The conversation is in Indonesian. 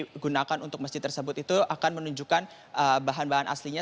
yang digunakan untuk masjid tersebut itu akan menunjukkan bahan bahan aslinya